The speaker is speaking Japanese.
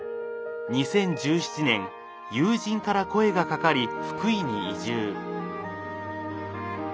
２０１７年友人から声がかかり福井に移住。